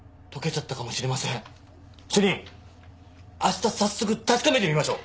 主任明日早速確かめてみましょう。